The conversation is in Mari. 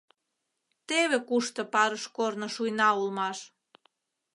Теве кушто парыш корно шуйна улмаш!